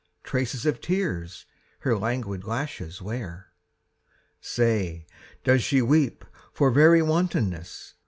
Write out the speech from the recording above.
Traces of tears her languid lashes wear. Say, doth she weep for very wantonness?